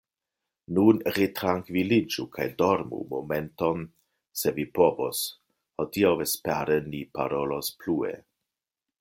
Nun retrankviliĝu kaj dormu momenton, se vi povos, hodiaŭ vespere ni parolos plue.